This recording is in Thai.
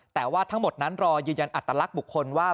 แต่ว่าทั้งหมดนั้นรอยืนยันอัตลักษณ์บุคคลว่า